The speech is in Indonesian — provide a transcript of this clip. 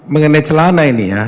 mengenai celana ini